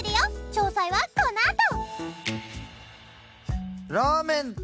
詳細はこのあと！